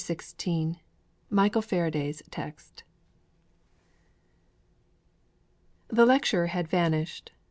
XVI MICHAEL FARADAY'S TEXT I The lecturer had vanished!